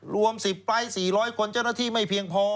รวม๑๐ไฟล์๔๐๐คนเจ้าหน้าที่ไม่เพียงพอ